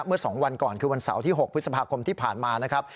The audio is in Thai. เมื่อ๒วันก่อนคือวันเสาร์ที่๖พฤษภาคมที่ผ่านมานะครับ